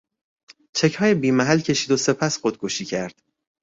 چکهای بیمحل کشید و سپس خودکشی کرد.